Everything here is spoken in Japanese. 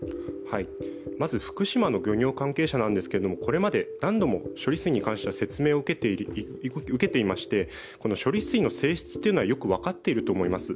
まず福島の漁業関係者なんですけれどもこれまで何度も処理水については説明を受けていまして処理水の性質というのはよく分かっていると思います。